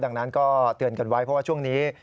ดังนั้นก็เตือนกันไว้เพราะว่าช่วงนี้